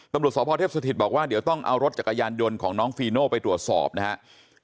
ตำรวจสพเทพสถิตบอกว่าเดี๋ยวต้องเอารถจักรยานยนต์ของน้องฟีโน่ไปตรวจสอบนะครับ